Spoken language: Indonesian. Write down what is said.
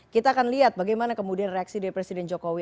kita akan lihat bagaimana kemudian reaksi dari presiden jokowi